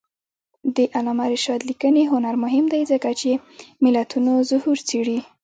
د علامه رشاد لیکنی هنر مهم دی ځکه چې ملتونو ظهور څېړي.